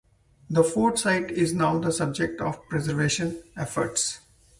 The fort site is now the subject of preservation efforts.